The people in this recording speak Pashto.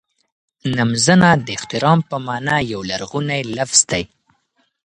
نمځنه د احترام په مانا یو لرغونی لفظ دی.